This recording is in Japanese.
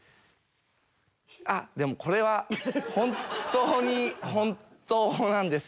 あっでもこれは本当に本当なんです。